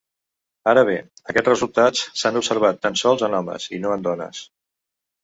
Ara bé, aquests resultats s'han observat tan sols en homes i no en dones.